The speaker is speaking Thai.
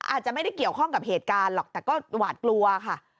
อาจจะไม่ได้เกี่ยวข้องกับเหตุการณ์หรอกแต่ก็หวาดกลัวค่ะ